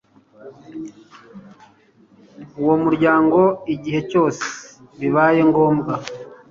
w Umuryango igihe cyose bibaye ngombwa